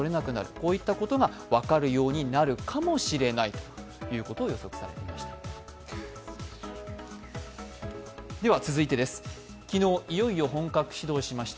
こういったことが分かるようになるかもしれないということが予測されていました。